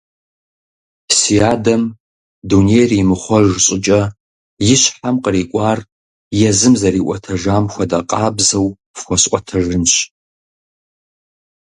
Си адэм, дунейр имыхъуэж щӏыкӏэ, и щхьэм кърикӀуар езым зэриӀуэтэжам хуэдэ къабзэу фхуэсӀуэтэжынщ.